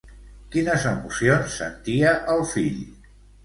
Quines emocions sentia el fill?